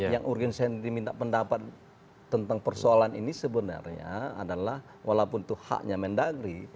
yang urgensi yang diminta pendapat tentang persoalan ini sebenarnya adalah walaupun itu haknya mendagri